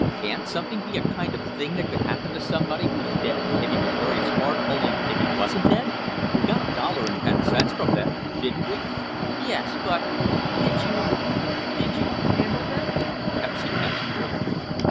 "Can't something be a kind of a thing that could happen to somebody who's dead if he was very smart, only if he wasn't dead? We got a dollar and ten cents from them, didn't we?" "Yes, but—did you—did you—handle them?" Pepsy asked fearfully.